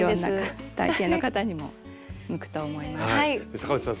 坂内さん